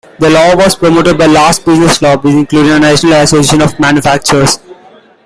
The law was promoted by large business lobbies including the National Association of Manufacturers.